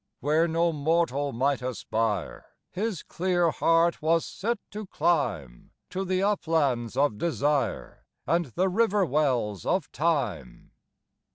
Where no mortal might aspire His clear heart was set to climb, To the uplands of desire And the river wells of time.